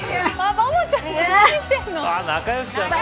バボちゃん何してんの。